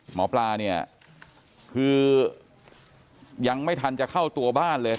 หมอปลาเนี่ยคือยังไม่ทันจะเข้าตัวบ้านเลย